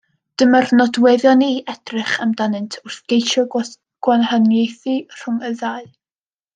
Dyma'r nodweddion i edrych amdanynt wrth geisio gwahaniaethu rhwng y ddau.